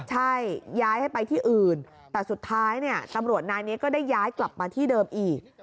ใช่ย้ายให้ไปที่อื่นแต่สุดท้ายตำรวจนายนี้ก็ได้ย้ายกลับมาที่เดิมอีก